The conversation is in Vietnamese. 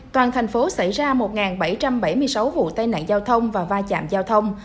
toàn thành phố xảy ra một bảy trăm bảy mươi sáu vụ tai nạn giao thông và va chạm giao thông